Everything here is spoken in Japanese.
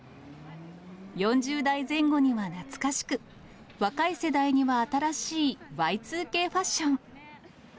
４０代前後には懐かしく、若い世代には新しいＹ２Ｋファッション。